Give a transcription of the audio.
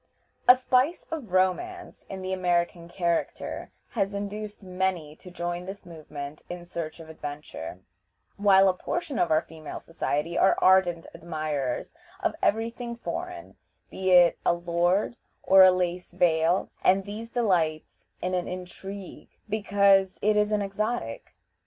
A spice of romance in the American character has induced many to join this movement in search of adventure, while a portion of our female society are ardent admirers of every thing foreign, be it a lord or a lace veil, and these delight in an intrigue because it is an exotic.